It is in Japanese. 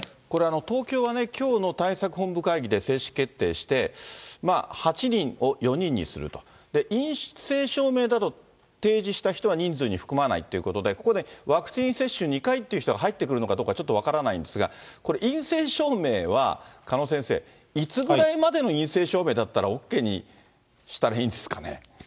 これ、東京はね、きょうの対策本部会議で正式決定して、８人を４人にすると、陰性証明など提示した人は人数に含まないということで、ここでワクチン接種２回という人が入ってくるのかどうか、ちょっと分からないんですが、これ、陰性証明は鹿野先生、いつぐらいまでの陰性証明だったらＯＫにしたらいいんですかね。